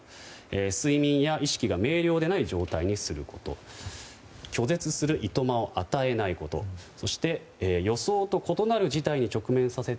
睡眠や、意識が明瞭でない状態にすること拒絶するいとまを与えないことそして予想と異なる事態に直面させて。